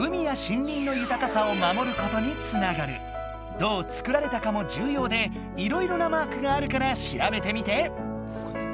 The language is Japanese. どう作られたかもじゅうようでいろいろなマークがあるからしらべてみて。